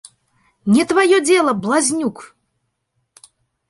Не тваё дзела, блазнюк!